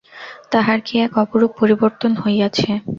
তাহার কী-এক অপরূপ পরিবর্তন হইয়াছে।